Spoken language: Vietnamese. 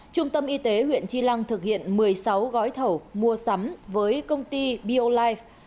trung tâm y tế huyện chi lăng thực hiện một mươi sáu gói thầu mua sắm với công ty bio life